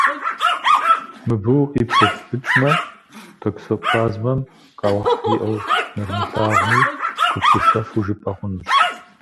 Мыбы укъипсэлъыкӏмэ, токсоплазмэм къаухь иӏэу, нэрымылъагъуми, гупсысэфу жыпӏэ хъунущ.